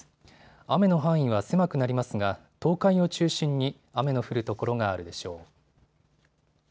雨の範囲は狭くなりますが、東海を中心に雨の降る所があるでしょう。